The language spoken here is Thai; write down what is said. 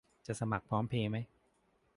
จะสมัครพร้อมเพย์ไหม